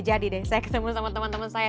jadi deh saya ketemu sama teman teman saya